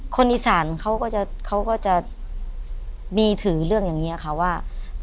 คนอีสานเขาก็จะมีถือเรื่องอย่างนี้ค่ะว่า